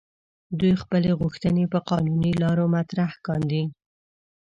دوی خپلې غوښتنې په قانوني لارو مطرح کاندي.